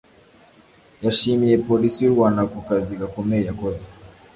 yashimiye Polisi y’u Rwanda ku kazi gakomeye yakoze